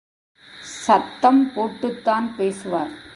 சத்தம் போட்டுத்தான் பேசுவார்.